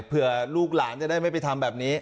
ลูกหลานจะได้ไม่ไปทำแบบนี้